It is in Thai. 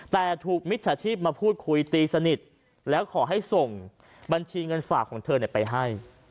แต่ถูกมิจฉาชีพมาพูดคุยตีสนิทแล้วขอให้ส่งบัญชีเงินฝากของเธอไปให้